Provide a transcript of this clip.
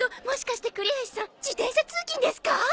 もしかして栗橋さん自転車通勤ですか？